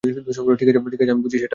ঠিক আছে, আমি বুঝি সেটা।